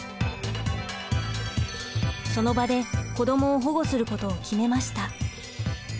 その場で子どもを保護することを決めました。